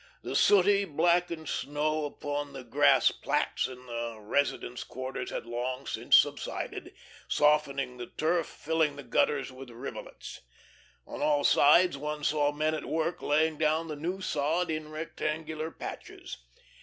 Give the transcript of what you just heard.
The sooty, blackened snow upon the grass plats, in the residence quarters, had long since subsided, softening the turf, filling the gutters with rivulets. On all sides one saw men at work laying down the new sod in rectangular patches.